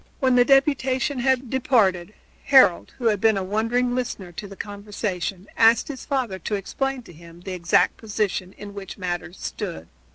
When the deputation had departed Harold, who had been a wondering listener to the conversation, asked his father to explain to him the exact position in which matters stood.